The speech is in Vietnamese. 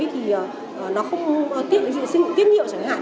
tiết niệu sinh dục chẳng hạn